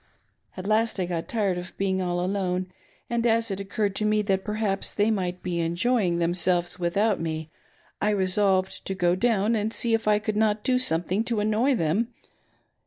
At last I go* tired of being all alone, and as it occurred to me that perhaps they might be enjoying themselves with out me, I resolved to go down and see if I could not do something to annoy them.